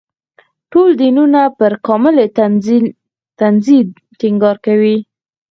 ټول دینونه پر کاملې تنزیې ټینګار کوي.